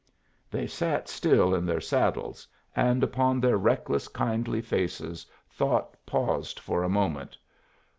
They sat still in their saddles, and upon their reckless, kindly faces thought paused for a moment.